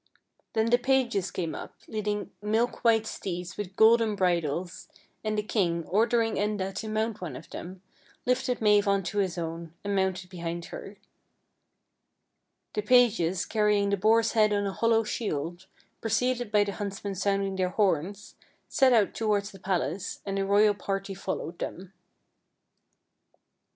Then the pages came up, leading milk white steeds with golden bridles, and the king, ordering Enda to mount one of them, lifted Have on to his own, and mounted behind her. The pages, car rying the boar's head on a hollow shield, pre ceded by the huntsmen sounding their horns, set out towards the palace, and the royal party fol lowed them.